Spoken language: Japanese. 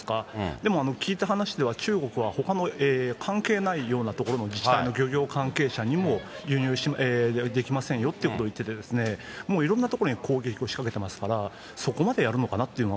でも聞いた話では中国はほかの関係ないようなところの自治体の漁業関係者にも、できませんよということを言っててですね、もういろんなところに攻撃を仕掛けてますから、そこまでやるのか